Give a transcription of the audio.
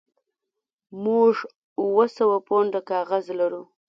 موږ اوه سوه پونډه کاغذ لرو